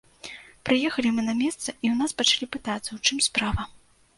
Прыехалі мы на месца, і ў нас пачалі пытацца, у чым справа.